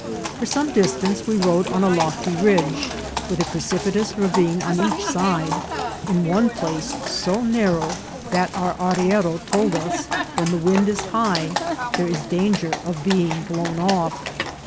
For some distance we rode on a lofty ridge, with a precipitous ravine on each side, in one place so narrow that, as our arriero told us, when the wind is high there is danger of being blown off.